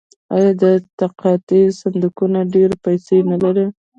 آیا د تقاعد صندوقونه ډیرې پیسې نلري؟